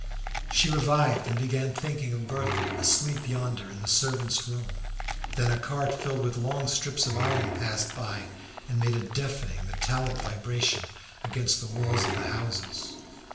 She revived, and began thinking of Berthe asleep yonder in the servant's room. Then a cart filled with long strips of iron passed by, and made a deafening metallic vibration against the walls of the houses.